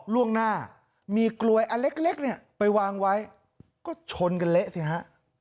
ล่วงหน้ามีกลวยอันเล็กเนี่ยไปวางไว้ก็ชนกันเละสิฮะ